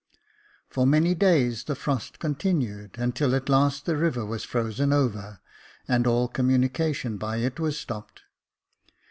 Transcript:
For many days the frost continued, until at last the river was frozen over, and all communication by it was stopped.